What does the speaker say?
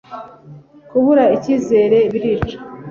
Kubura icyizere birica